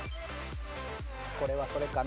これはそれかな。